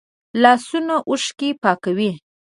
لاسونه اوښکې پاکوي